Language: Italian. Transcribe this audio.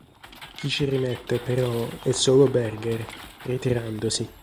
Chi ci rimette però è solo Berger, ritirandosi.